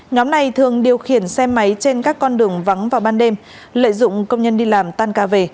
nhóm này thường điều khiển xe máy trên các con đường vắng vào ban đêm lợi dụng công nhân đi làm tan ca về